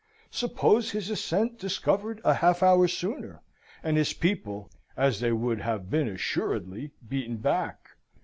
Suppose his ascent discovered a half hour sooner, and his people, as they would have been assuredly, beaten back?